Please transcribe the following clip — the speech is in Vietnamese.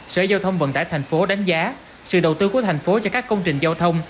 sở giao thông vận tải thành phố đánh giá sự đầu tư của thành phố cho các công trình giao thông